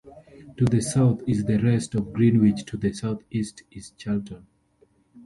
To the south is the rest of Greenwich, to the south-east is Charlton.